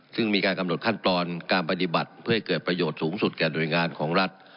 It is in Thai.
ซึ่งมีการกำหนดขั้นตอนการปฏิบัติเพื่อให้เกิดประโยชน์สูงสุดแก่หน่วยงานของรัฐ